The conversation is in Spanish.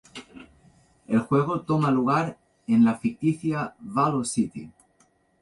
El juego toma lugar en la ficticia Valo City.